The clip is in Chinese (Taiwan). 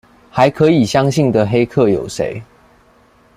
還可以相信的黑客有誰？